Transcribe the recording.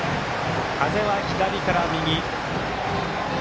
風は左から右。